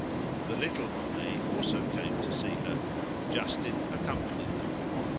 The little Homais also came to see her; Justin accompanied them.